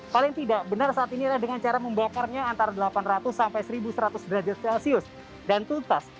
paling tidak benar saat ini adalah dengan cara membakarnya antara delapan ratus sampai seribu seratus derajat celcius dan tuntas